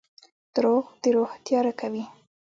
• دروغ د روح تیاره کوي.